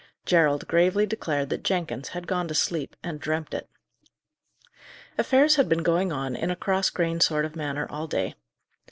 Gerald gravely declared that Jenkins had gone to sleep and dreamt it. Affairs had been going on in a cross grained sort of manner all day.